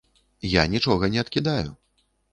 Я нічога не адкідаю.